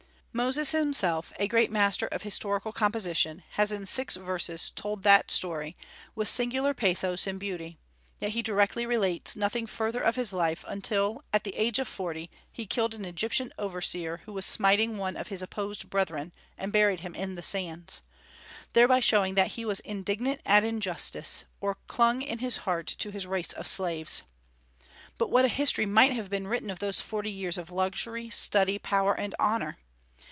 Moses himself, a great master of historical composition, has in six verses told that story, with singular pathos and beauty; yet he directly relates nothing further of his life until, at the age of forty, he killed an Egyptian overseer who was smiting one of his oppressed brethren, and buried him in the sands, thereby showing that he was indignant at injustice, or clung in his heart to his race of slaves. But what a history might have been written of those forty years of luxury, study, power, and honor!